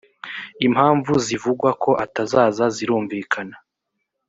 impamvu zivugwa ko atazaza zirumvikana